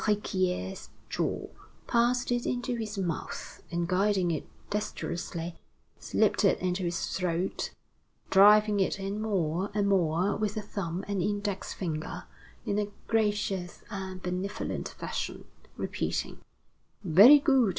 Riquier's jaw, passed it into his mouth, and guiding it dexterously, slipped it into his throat, driving it in more and more with the thumb and index finger, in a gracious and benevolent fashion, repeating: "Very good!